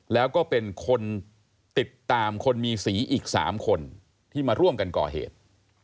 แล้วก็เป็นคนติดตามคนมีสีอีก๓คนที่มาร่วมกันก่อเหตุ